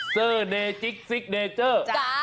เซอร์เนจิ๊กซิกเนเจอร์